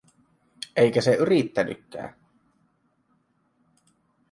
Eikä se yrittänytkään.